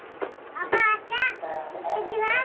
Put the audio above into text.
おばあちゃんいってきます。